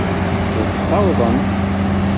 La d-ttawḍent.